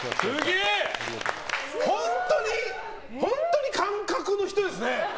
本当に感覚の人ですね。